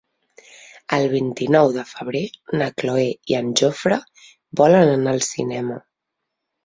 El vint-i-nou de febrer na Cloè i en Jofre volen anar al cinema.